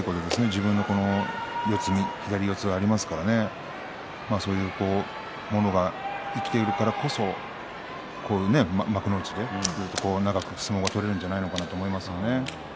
自分の四つに左四つでありますからそういうものが生きているからこそ幕内でずっと長く相撲が取れるんじゃないかなと思いますね。